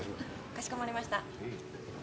かしこまりました。